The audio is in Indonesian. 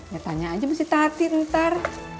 ya tanya aja sama si tati ntar